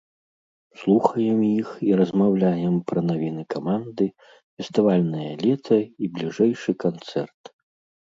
Слухаем іх і размаўляем пра навіны каманды, фестывальнае лета і бліжэйшы канцэрт.